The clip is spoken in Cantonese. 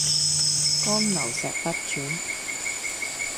江流石不轉